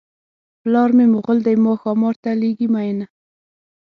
پلار مې مغل دی ما ښامار ته لېږي مینه.